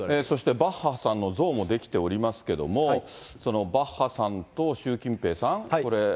そしてバッハさんの像も出来ておりますけれども、バッハさんと習近平さん、これ。